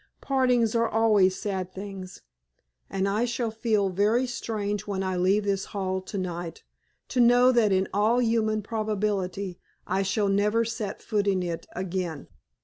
Partings are always sad things, and I shall feel very strange when I leave this hall to night, to know that in all human probability I shall never set foot in it again.